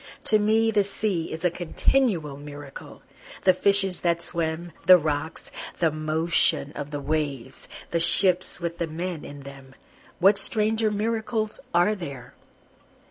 To me the sea is a continual miracle, The fishes that swim the rocks the motion of the waves the ships with the men in them, What stranger miracles are there?